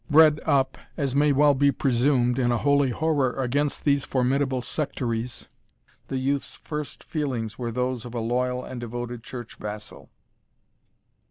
Bred up, as may well be presumed, in a holy horror against these formidable sectaries, the youth's first feelings were those of a loyal and devoted church vassal.